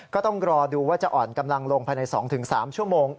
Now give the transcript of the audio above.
ก็ต้องรอดูว่าจะอ่อนกำลังลงภายใน๒๓ชั่วโมง